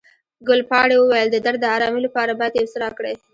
ګلپاڼې وویل، د درد د آرامي لپاره باید یو څه راکړئ.